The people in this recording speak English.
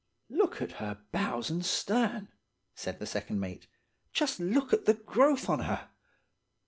"'Look at her bows and stern,' said the second mate. 'Just look at the growth on her!